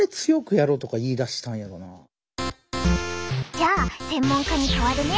じゃあ専門家に代わるね！